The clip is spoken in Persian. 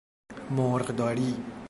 مرغ داری